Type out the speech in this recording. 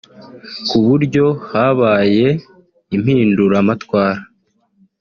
ku buryo habaye impinduramatwara